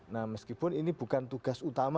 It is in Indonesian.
nah meskipun ini bukan tugas utama